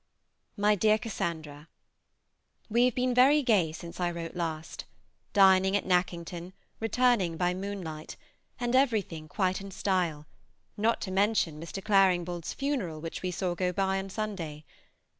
MY DEAR CASSANDRA, We have been very gay since I wrote last; dining at Nackington, returning by moonlight, and everything quite in style, not to mention Mr. Claringbould's funeral which we saw go by on Sunday.